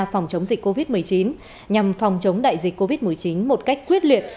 phòng chống dịch covid một mươi chín nhằm phòng chống đại dịch covid một mươi chín một cách quyết liệt